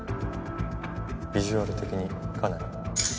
ビジュアル的にかなり。